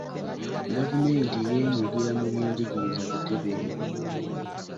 Gavumenti y'enyigira mu by'enjigiriza butereevu.